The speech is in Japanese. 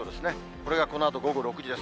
これがこのあと午後６時です。